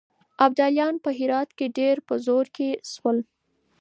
ابدالیان په هرات کې ډېر په زور کې شول.